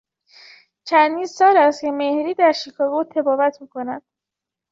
چندین سال است که مهری در شیکاگو طبابت میکند.